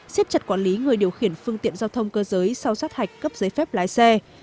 xếp chặt quản lý người điều khiển phương tiện giao thông cơ giới sau sát hạch cấp giấy phép lái xe